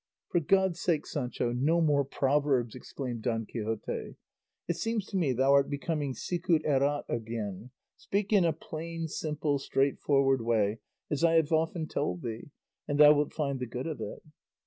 "For God's sake, Sancho, no more proverbs!" exclaimed Don Quixote; "it seems to me thou art becoming sicut erat again; speak in a plain, simple, straight forward way, as I have often told thee, and thou wilt find the good of it."